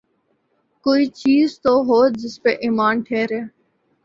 کوئی چیز تو ہو جس پہ ایمان ٹھہرے۔